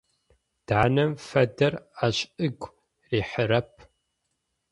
Данэм фэдэр ащ ыгу рихьырэп.